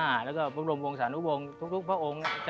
วัดสุทัศน์นี้จริงแล้วอยู่มากี่ปีตั้งแต่สมัยราชการไหนหรือยังไงครับ